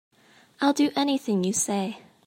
I'll do anything you say.